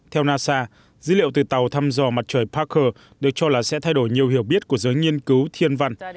theo nasa dữ liệu từ tàu thăm dò mặt trời parker được cho là sẽ thay đổi nhiều hiểu biết của giới nghiên cứu thiên văn